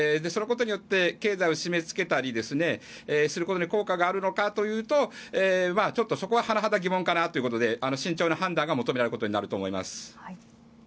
そのことによって経済を締めつけたりすることに効果があるのかというとちょっとそこは甚だ疑問かなというところで慎重な判断が求められることになります。